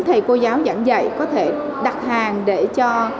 thầy cô giáo giảng dạy có thể đặt hàng để cho